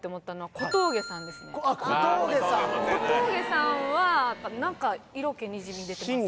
小峠さんは何か色気にじみ出てますね